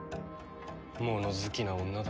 物好きな女だ。